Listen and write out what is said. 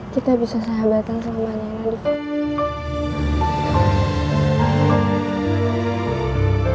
kita bisa sahabatan selama angin suatu hari